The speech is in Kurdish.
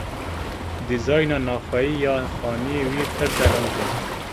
Dîzayna navxweyî ya xaniyê wî pir delal bû.